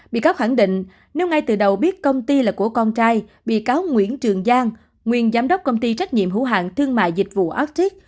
bị cáo khẳng định nếu ngay từ đầu biết công ty là của con trai bị cáo nguyễn trường giang nguyên giám đốc công ty trách nhiệm hữu hạng thương mại dịch vụ atic